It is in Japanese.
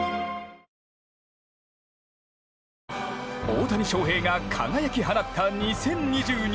大谷翔平が輝き放った２０２２年。